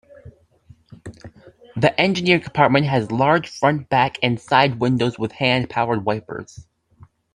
The engineer compartment has large front, back and side windows with hand-powered wipers.